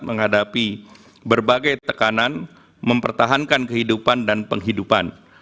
menghadapi berbagai tekanan mempertahankan kehidupan dan penghidupan